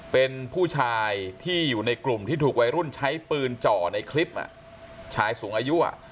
เป็นผู้ชายที่อยู่ในกลุ่มที่ถูกวัยรุ่นใช้ปืนจ่อในคลิปชายสูงอายุ